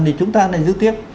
thì chúng ta lại giữ tiếp